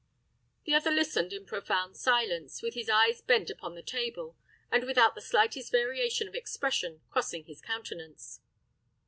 The other listened in profound silence, with his eyes bent upon the table, and without the slightest variation of expression crossing his countenance.